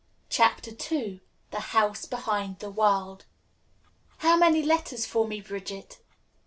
CHAPTER II THE HOUSE BEHIND THE WORLD "How many letters for me, Bridget?"